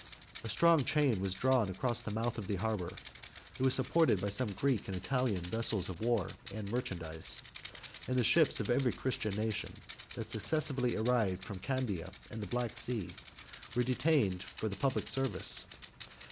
A strong chain was drawn across the mouth of the harbor: it was supported by some Greek and Italian vessels of war and merchandise; and the ships of every Christian nation, that successively arrived from Candia and the Black Sea, were detained for the public service.